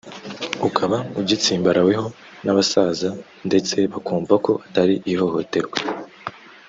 ukaba ugitsimbaraweho n’abasaza ndetse bakumva ko atari ihohoterwa